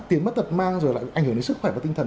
tiền mất tật mang rồi lại ảnh hưởng đến sức khỏe và tinh thần